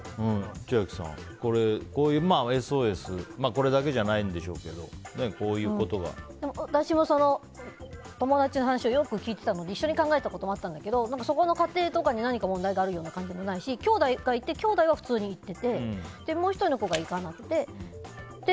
千秋さん、ＳＯＳはこれだけじゃないんでしょうけど私も友達の話をよく聞いてたので一緒に考えたこともあったんだけど、そこの家庭に何か問題があるような感じもないし兄弟がいて兄弟は普通に行っててもう１人の子が行かなくて。